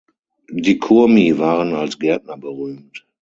Die Kurmi waren als Gärtner berühmt.